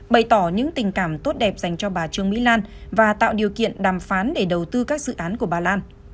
bày tỏ những tình cảm tốt đẹp dành cho bà trương mỹ lan và tạo điều kiện đàm phán để đầu tư các dự án của bà lan